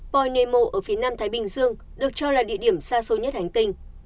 ponemo ở phía nam thái bình dương được cho là địa điểm xa xôi nhất hành tinh